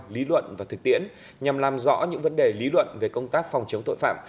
lý luận và thực tiễn nhằm làm rõ những vấn đề lý luận về công tác phòng chống tội phạm